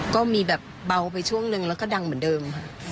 ก็มีแบบเบาไปช่วงนึงแล้วก็ดังเหมือนเดิมค่ะ